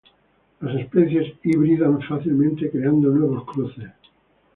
Las especies hibridan fácilmente creando nuevos cruces.